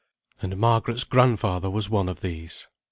And Margaret's grandfather was one of these.